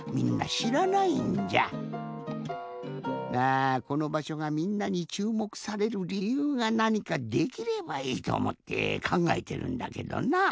あこのばしょがみんなにちゅうもくされるりゆうがなにかできればいいとおもってかんがえてるんだけどな。